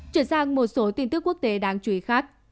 chuyển sang một số tin tức